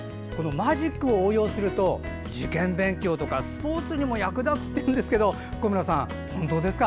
マジックを応用すると受験勉強とかスポーツにも役立つっていうんですけど小村さん、本当ですか？